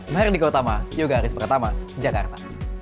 mari ke utama yuk garis pertama jakarta